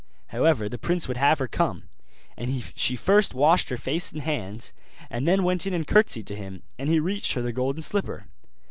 However, the prince would have her come; and she first washed her face and hands, and then went in and curtsied to him, and he reached her the golden slipper.